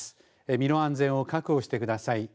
身の安全を確保してください。